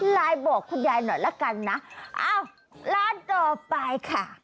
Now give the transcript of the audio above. ไลน์บอกคุณยายหน่อยละกันนะอ้าวร้านต่อไปค่ะ